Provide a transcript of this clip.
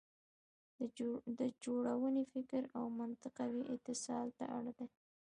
د جوړونې فکر او منطقوي اتصال ته اړ دی.